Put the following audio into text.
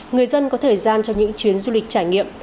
người dân có thời gian cho những chuyến du lịch trải nghiệm